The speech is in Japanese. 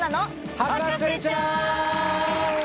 『博士ちゃん』！